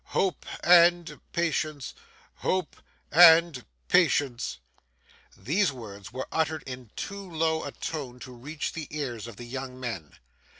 Hope and patience, hope and patience!' These words were uttered in too low a tone to reach the ears of the young men.